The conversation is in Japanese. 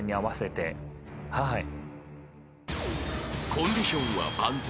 ［コンディションは万全］